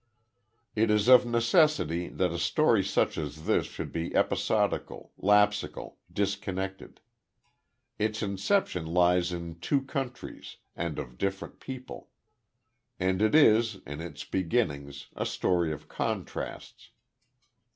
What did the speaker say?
It is of necessity that a story such as this should be episodical, lapsical, disconnected. Its inception lies in two countries, and of different people. And it is, in its beginnings, a story of contrasts.